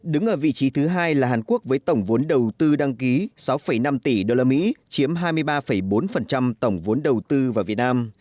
đứng ở vị trí thứ hai là hàn quốc với tổng vốn đầu tư đăng ký sáu năm tỷ usd chiếm hai mươi ba bốn tổng vốn đầu tư vào việt nam